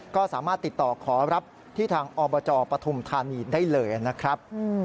ก็สามารถติดต่อขอรับที่ทางอบจปฐุมธานีได้เลยนะครับ